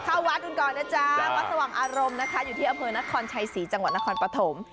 เข้าวัดกันก่อนนะจ๊ะวัดสว่างอารมณ์นะคะอยู่ที่อำเภอนครชัยศรีจังหวัดนครปฐม